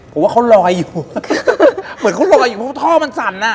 ผมว่าเขาลอยอยู่เหมือนเขาลอยอยู่เพราะท่อมันสั่นอ่ะ